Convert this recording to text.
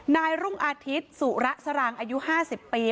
นายรุ่งอาทิตย์สุระสรังอายุ๕๐ปี